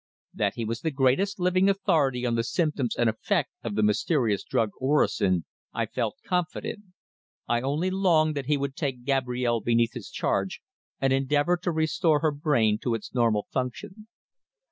That he was the greatest living authority on the symptoms and effect of the mysterious drug orosin I felt confident. I only longed that he would take Gabrielle beneath his charge and endeavour to restore her brain to its normal function.